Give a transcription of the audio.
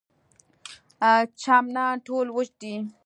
چمنان ټول وچ دي.